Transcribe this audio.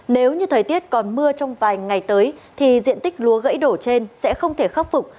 nếu như thời tiết còn mưa trong vài ngày tới thì diện tích lúa gãy đổ trên sẽ không thể khắc phục